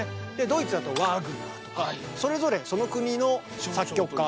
ドイツだとワーグナーとかそれぞれその国の作曲家。